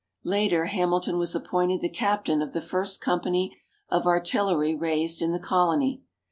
Later Hamilton was appointed the Captain of the first company of artillery raised in the Colony.